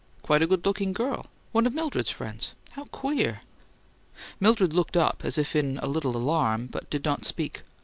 Quite a good looking girl one of Mildred's friends. How queer!" Mildred looked up, as if in a little alarm, but did not speak.